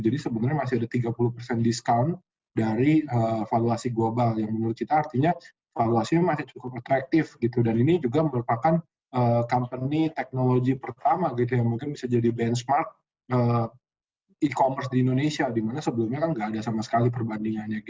dan ini juga merupakan company teknologi pertama yang mungkin bisa jadi benchmark e commerce di indonesia di mana sebelumnya kan nggak ada sama sekali perbandingannya